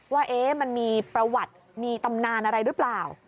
ว่ามันมีประวัติมีตำนานอะไรหรือเปล่า